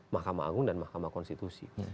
mahkamah agung dan mahkamah konstitusi